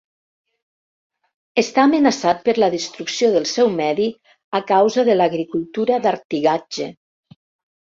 Està amenaçat per la destrucció del seu medi a causa de l'agricultura d'artigatge.